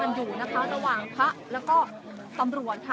เป็นผู้หญิงนะคะตอนนี้ตำรวจกำลังเรียกพยาบาลค่ะ